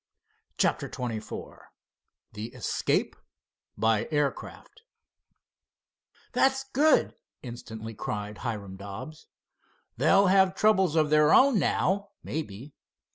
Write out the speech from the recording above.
"That's the talk!" CHAPTER XXIV THE ESCAPE BY AIRCRAFT "That's good," instantly cried Hiram Dobbs. "They'll have troubles of their own now, maybe."